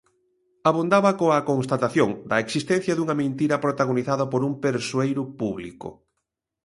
Abondaba coa constatación da existencia dunha mentira protagonizada por un persoeiro público.